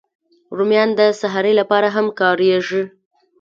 رومیان د سحري لپاره هم کارېږي